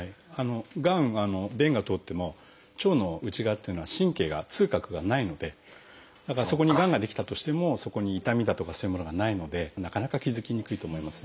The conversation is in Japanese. がんは便が通っても腸の内側っていうのは神経が痛覚がないのでだからそこにがんが出来たとしてもそこに痛みだとかそういうものがないのでなかなか気付きにくいと思いますね。